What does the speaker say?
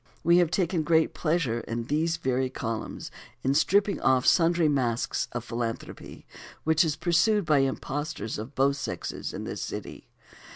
We have taken great pleasure in these very columns in stripping off sundry masks of such philanthropy which is pursued by impostors of both sexes in this city.